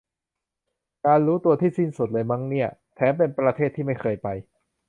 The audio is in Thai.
เป็นการรู้ตัวที่สั้นสุดเลยมั้งเนี่ย แถมเป็นประเทศที่ไม่เคยไป